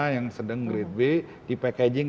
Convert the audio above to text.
yang sedang grade b dipackaging